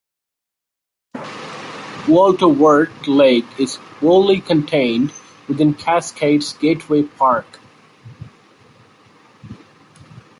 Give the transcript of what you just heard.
Walter Wirth Lake is wholly contained within Cascades Gateway Park.